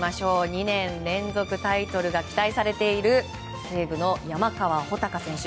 ２年連続タイトルが期待される西武の山川穂高選手。